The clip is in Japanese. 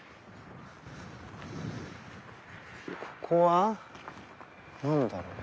ここは何だろう？